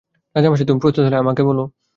রাজামশাই, তুমি প্রস্তুত হলে, আমাকে বলো।